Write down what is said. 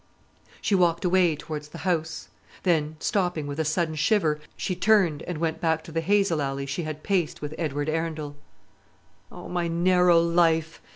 She walked away towards the house; then stopping, with a sudden shiver, she turned, and went back to the hazel alley she had paced with Edward Arundel. "Oh, my narrow life!"